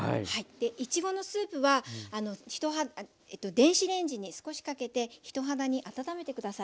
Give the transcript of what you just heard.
いちごのスープは電子レンジに少しかけて人肌に温めて下さい。